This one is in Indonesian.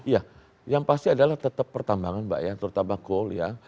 ya yang pasti adalah tetap pertambangan mbak ya terutama goal ya